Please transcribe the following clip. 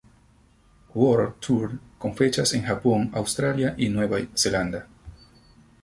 World Tour, con fechas en Japón, Australia y Nueva Zelanda.